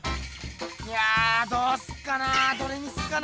いやどうすっかなどれにすっかな。